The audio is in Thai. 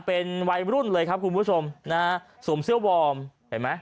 เป็นวัยรุ่นเลยครับคุณผู้ชมนะฮะสวมเสื้อวอร์มเห็นไหม